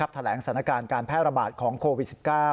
แถลงสถานการณ์การแพร่ระบาดของโควิด๑๙